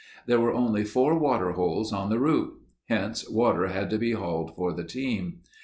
There were only four water holes on the route. Hence, water had to be hauled for the team.